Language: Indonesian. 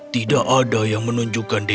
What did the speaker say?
tidak ada yang menunjukkan dia